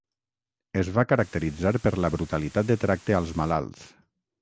Es va caracteritzar per la brutalitat de tracte als malalts.